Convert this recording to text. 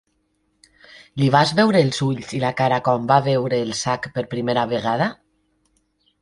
Li vas veure els ulls i la cara quan va veure el sac per primera vegada?